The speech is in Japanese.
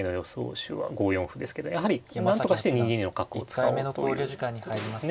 手は５四歩ですけどやはりなんとかして２二の角を使おうということですね。